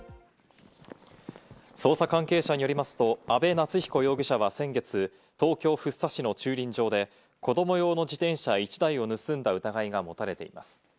捜査関係者によりますと、安倍夏彦容疑者は先月、東京・福生市の駐輪場で子ども用の自転車１台を盗んだ疑いが持たれています。